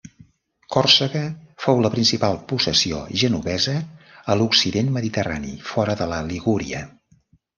Còrsega fou la principal possessió genovesa a l'occident mediterrani fora de la Ligúria.